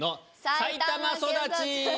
埼玉県育ち。